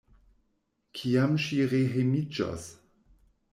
Kiam ŝi rehejmiĝos?